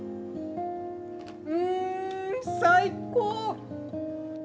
うん最高！